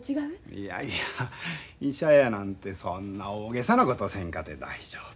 いやいや医者やなんてそんな大げさなことせんかて大丈夫。